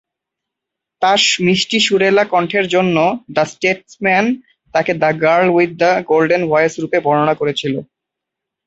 তাঁর মিষ্টি সুরেলা কণ্ঠের জন্যে "দ্য স্টেটসম্যান" তাঁকে "the girl with the golden voice" রুপে বর্ণনা করেছিল।